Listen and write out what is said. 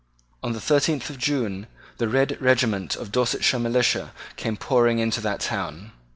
On the thirteenth of June the red regiment of Dorsetshire militia came pouring into that town.